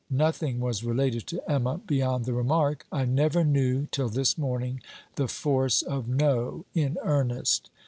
Nothing was related to Emma, beyond the remark: 'I never knew till this morning the force of No in earnest.'